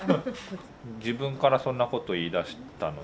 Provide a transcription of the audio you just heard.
自分からそんなこと言いだしたので。